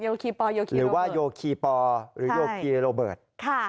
หรือว่าโยคีปหรือโยคีโรเบิร์ต